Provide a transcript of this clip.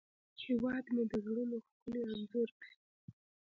هیواد مې د زړونو ښکلی انځور دی